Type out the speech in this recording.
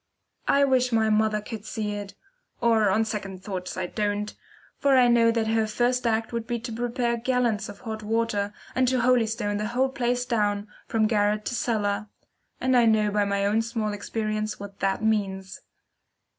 I wish my mother could see it or, on second thoughts, I don't; for I know that her first act would be to prepare gallons of hot water, and to holystone the whole place down, from garret to cellar and I know by my own small experience what that means.